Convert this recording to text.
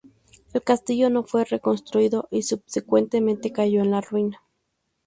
El castillo no fue reconstruido y subsecuentemente cayó en la ruina.